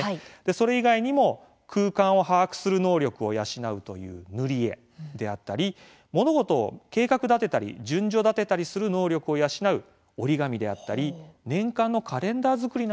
それ以外にも空間を把握する能力を養うという塗り絵であったり物事を計画立てたり順序立てたりする能力を養う折り紙であったり年間のカレンダー作りなどもよいそうです。